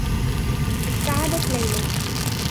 ابتعدت ليلى.